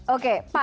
oke pak agus